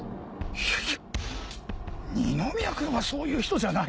いやいや二宮君はそういう人じゃないよ。